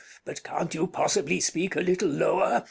But can't you possibly speak a little lower?